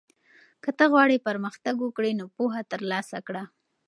که ته غواړې پرمختګ وکړې نو پوهه ترلاسه کړه.